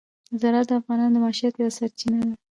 زراعت د افغانانو د معیشت یوه سرچینه ده.